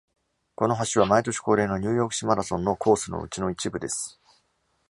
この橋は毎年恒例のニューヨーク市マラソンのコースのうちの一部です。